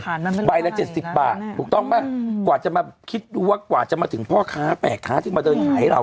สิบใบละเจ็ดสิบบาทถูกต้องปะกว่าจะมาคิดดูเรื่องว่ากว่าจะมาถึงพ่อค้าแปดขาเดินใหม่เราอ่ะ